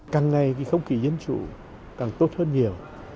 càng ngày cái không khí dân chủ càng tốt hơn nhiều